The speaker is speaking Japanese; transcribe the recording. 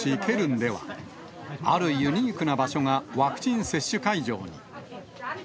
ケルンでは、あるユニークな場所がワクチン接種会場に。